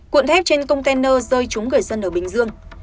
cuộn thép trên container rơi trúng người dân ở bình dương